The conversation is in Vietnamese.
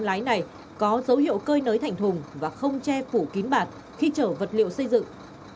lái này có dấu hiệu cơi nới thành thùng và không che phủ kín bạt khi chở vật liệu xây dựng